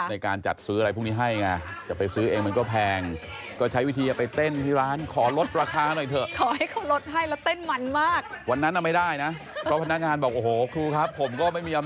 ในการจัดซื้ออะไรพรุ่งนี้ให้นะ